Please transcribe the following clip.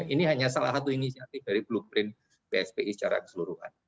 ini hanya salah satu inisiatif dari blueprint bspi secara keseluruhan